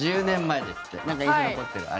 １０年前ですって。